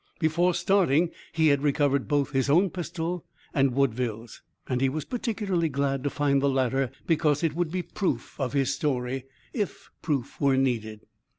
Before starting he had recovered both his own pistol and Woodville's, and he was particularly glad to find the latter because it would be proof of his story, if proof were needed.